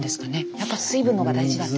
やっぱ水分の方が大事だって。